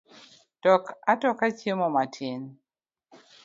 Tok atoka chiemo matin